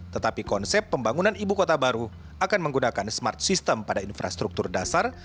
tetapi konsep pembangunan ibu kota baru akan menggunakan smart system pada infrastruktur dasar